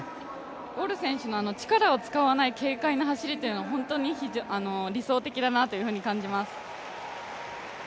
ボル選手の力を使わない軽快な走りというのは本当に理想的だなと感じます。